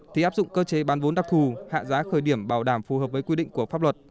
thì áp dụng cơ chế bán vốn đặc thù hạ giá khởi điểm bảo đảm phù hợp với quy định của pháp luật